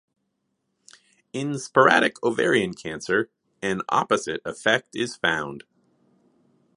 In sporadic ovarian cancer, an opposite effect is found.